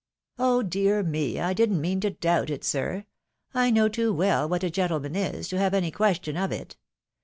" Oh ! dear me ! I did'nt mean to doubt it, sir — I know too well what a gentleman is, to have any question of it.